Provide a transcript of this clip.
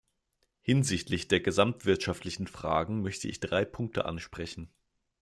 Hinsichtlich der gesamtwirtschaftlichen Fragen möchte ich drei Punkte ansprechen.